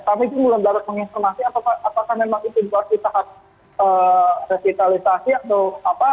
kami belum dapat menginformasi apakah memang itu diperlukan saat resitalisasi atau apa